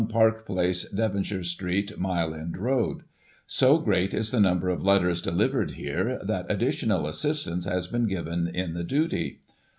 Park Place, Devonshire Street, Mile End Road So great is the number of letters delivered here, that additional assistance has been given in the duty.